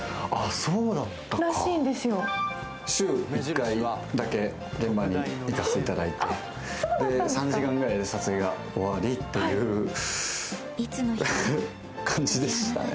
そうだったか、週１回だけ現場に行かせていただいて、３時間ぐらいで撮影が終わりっていう感じでしたね。